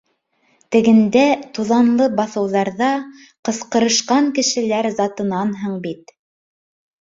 Тегендә, туҙанлы баҫыуҙарҙа, ҡысҡырышҡан кешеләр затынанһың бит.